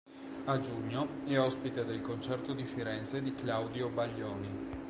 A giugno è ospite del concerto di Firenze di Claudio Baglioni.